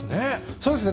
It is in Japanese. そうですね。